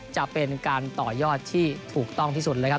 จะเป็นการต่อยอดที่ถูกต้องที่สุดเลยครับ